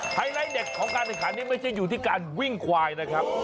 ไลท์เด็ดของการแข่งขันนี้ไม่ใช่อยู่ที่การวิ่งควายนะครับ